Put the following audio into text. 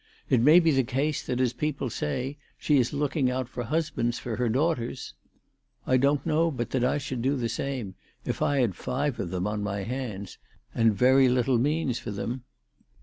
It may be the case that, as people say, she is looking out for husbands for her daughters. I don't know but that I should do t'ie same if I had five of B B 370 ALICE DUGDALE. them on my hands and very little means for them.